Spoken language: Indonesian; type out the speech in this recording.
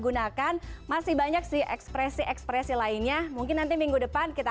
gunakan masih banyak sih ekspresi ekspresi lainnya mungkin nanti minggu depan kita